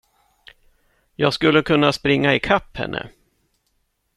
Jag skulle kunna springa ikapp henne.